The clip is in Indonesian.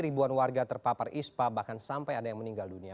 ribuan warga terpapar ispa bahkan sampai ada yang meninggal dunia